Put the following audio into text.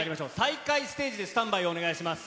再会ステージでスタンバイをお願いします。